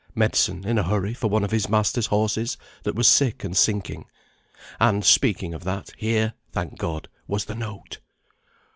Medicine, in a hurry, for one of his master's horses that was sick and sinking. And, speaking of that, here, thank God, was the note!